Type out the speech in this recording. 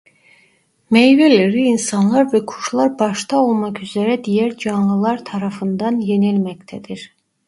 Meyveleri insanlar ve kuşlar başta olmak üzere diğer canlılar tarafından yenilmektedir.